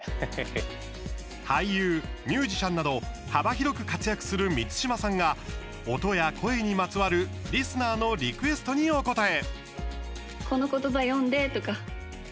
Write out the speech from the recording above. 俳優、ミュージシャンなど幅広く活躍する満島さんが音や声にまつわるリスナーのリクエストにお応え。